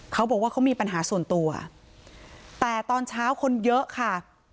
เขาบอกว่าเขามีปัญหาส่วนตัวแต่ตอนเช้าคนเยอะค่ะ